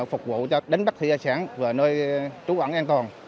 phục vụ cho đến bắc thị an sáng về nơi trú ẩn an toàn